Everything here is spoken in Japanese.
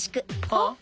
はっ？